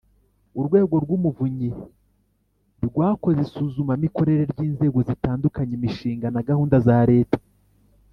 Urwego rw Umuvunyi rwakoze isuzumamikorere ry inzego zitandukanye imishinga na Gahunda za leta